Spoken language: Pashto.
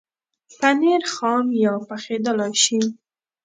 پنېر خام یا پخېدلای شي.